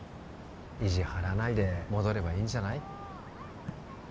意地張らないで戻ればいいんじゃない？